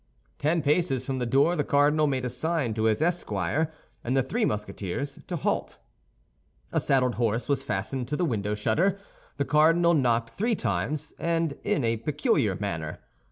Ten paces from the door the cardinal made a sign to his esquire and the three Musketeers to halt. A saddled horse was fastened to the window shutter. The cardinal knocked three times, and in a peculiar manner.